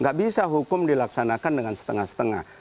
gak bisa hukum dilaksanakan dengan setengah setengah